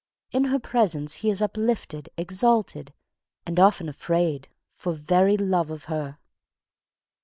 In her presence he is uplifted, exalted, and often afraid, for very love of her.